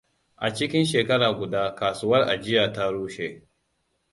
A cikin shekara guda, kasuwar ajiya ta rushe.